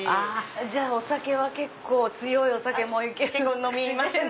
じゃあお酒は結構強いお酒もいける口ですね。